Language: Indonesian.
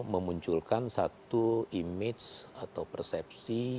memunculkan satu image atau persepsi